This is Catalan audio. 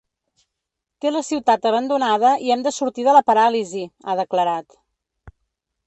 Té la ciutat abandonada i hem de sortir de la paràlisi, ha declarat.